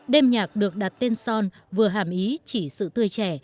đêm nhạc được đặt tên son vừa hàm ý chỉ sự tươi trẻ